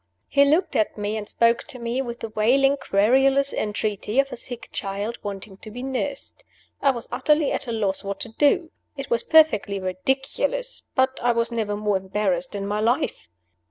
He looked at me and spoke to me with the wailing, querulous entreaty of a sick child wanting to be nursed. I was utterly at a loss what to do. It was perfectly ridiculous but I was never more embarrassed in my life.